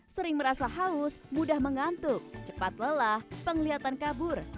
sering merasa haus mudah mengantuk cepat lelah penglihatan kabur